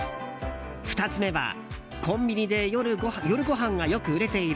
２つ目は、コンビニで夜ごはんがよく売れている。